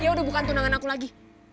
dia udah bukan tunangan aku lagi